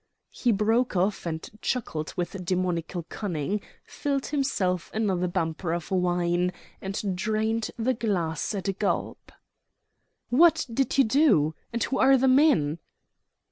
He broke off and chuckled with demoniacal cunning, filled himself another bumper of wine, and drained the glass at a gulp. "What did you do? And who are the men?"